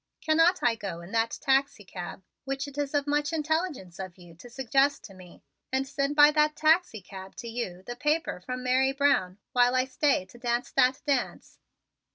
Cannot I go in that taxicab, which it is of much intelligence of you to suggest to me, and send by that taxicab to you the paper from Mary Brown while I stay to dance that dance?"